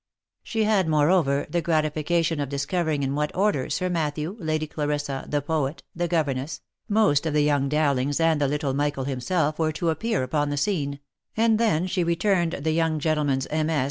She had, moreover, the gratification of discovering in what order Sir Matthew, Lady Clarissa, the poet, the governess, most of the young Dowlings, and little Michael himself were to appear upon the scene, and then she returned the young gentleman's MS.